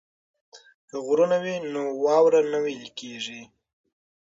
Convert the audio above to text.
که غرونه وي نو واوره نه ویلی کیږي.